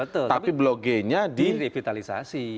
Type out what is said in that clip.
tapi blok g nya direvitalisasi